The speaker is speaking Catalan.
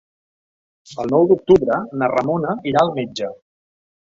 El nou d'octubre na Ramona irà al metge.